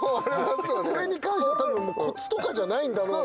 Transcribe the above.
これに関してはたぶんコツとかじゃないんだろうなって。